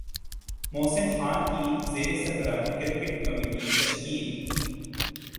محسن خان کی زیر سربراہی کرکٹ کمیٹی تشکیل